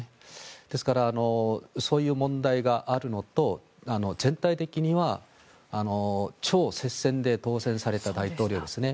ですからそういう問題があるのと全体的には超接戦で当選された大統領ですね。